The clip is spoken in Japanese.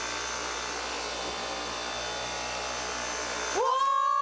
うわ！